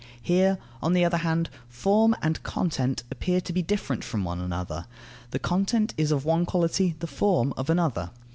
Here, on the other hand, form and content appear to be different from one another; the content is of one quality, the form of another.